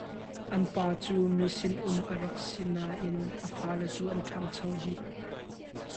An pa cu misinum a rak si nain a fale cu an ṭhangcho dih.